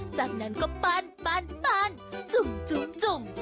จากนั้นก็ปันปันจุ่มจุ่ม